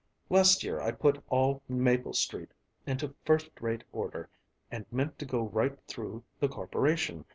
Last year I put all Maple Street into first rate order and meant to go right through the Corporation.